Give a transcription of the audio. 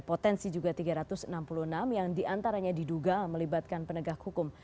potensi juga tiga ratus enam puluh enam yang diantaranya diduga melibatkan penegak hukum